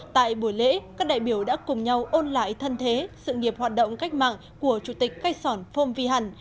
tại buổi lễ các đại biểu đã cùng nhau ôn lại thân thế sự nghiệp hoạt động cách mạng của chủ tịch khách sỏn phong vi hẳn